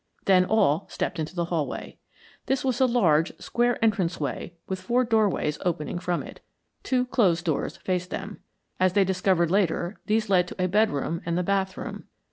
Then all stepped into the hallway. This was a large, square entrance way with four doorways opening from it. Two closed doors faced them. As they discovered later, these led to a bedroom, and the bathroom.